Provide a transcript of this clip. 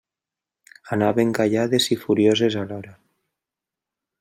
Anaven callades i furioses alhora.